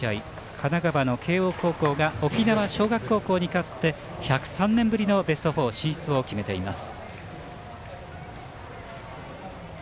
神奈川の慶応高校が沖縄尚学高校に勝って１０３年ぶりのベスト４進出を決めています。